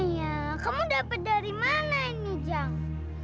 ayo kamu dapat dari mana ini ujang